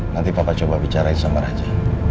nanti bapak coba bicarain sama raja